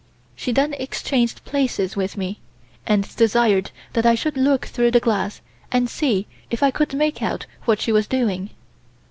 She then exchanged places with me, and desired that I should look through the glass and see if I could make out what she was doing.